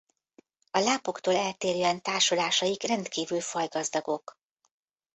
A lápoktól eltérően társulásaik rendkívül fajgazdagok.